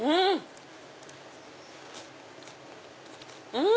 うん！